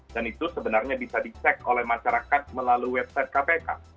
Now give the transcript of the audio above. dan itu sebenarnya bisa dicek oleh masyarakat melalui website kpk